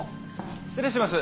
失礼します。